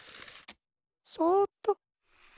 そっと。